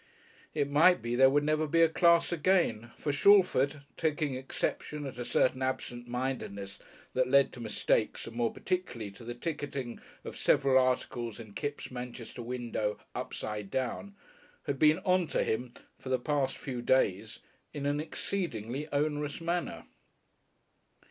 It might be there would never be a class again, for Shalford, taking exception at a certain absent mindedness that led to mistakes and more particularly to the ticketing of several articles in Kipps' Manchester window upside down, had been "on to" him for the past few days in an exceedingly onerous manner....